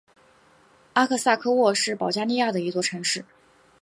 阿克萨科沃是保加利亚的一座城市。